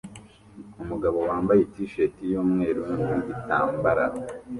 umugabo wambaye t-shati yumweru nigitambara